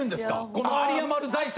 このあり余る財産。